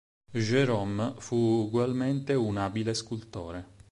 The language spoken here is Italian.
Gérôme fu ugualmente un abile scultore.